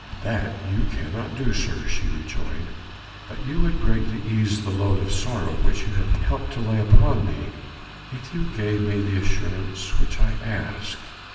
"That you cannot do, sir," she rejoined, "but you would greatly ease the load of sorrow which you have helped to lay upon me, if you gave me the assurance which I ask."